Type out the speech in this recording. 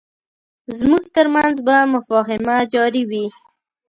زموږ ترمنځ به مفاهمه جاري وي.